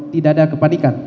tidak ada kepanikan